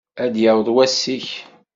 Ad d-yaweḍ wass-ik.